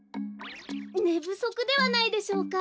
ねぶそくではないでしょうか？